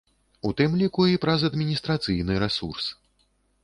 У тым ліку і праз адміністрацыйны рэсурс.